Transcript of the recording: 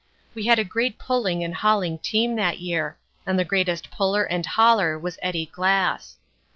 We had a great pulling and hauling team that year, and the greatest puller and hauler was Eddie Glass.